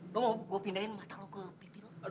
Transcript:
lu mau gue pindahin mata lu ke pipi lu